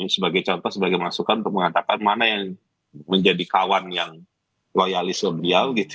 sebagai contoh sebagai masukan untuk mengatakan mana yang menjadi kawan yang loyalisme beliau